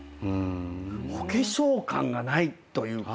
お化粧感がないというか。